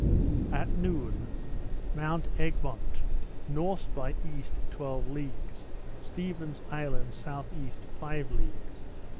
At noon, Mount Egmont N. by E. twelve leagues; Stephens Island S.E. five leagues.